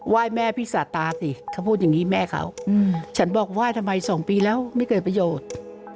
ยแม่พี่สาตาสิเขาพูดอย่างนี้แม่เขาฉันบอกไหว้ทำไมสองปีแล้วไม่เกิดประโยชน์